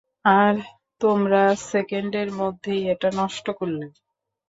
আর তোমরা সেকেন্ডের মধ্যেই এটা নষ্ট করলে!